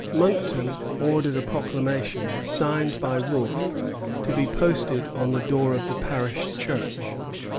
Monckton ordered a proclamation, signed by Wolfe, to be posted on the door of the parish church.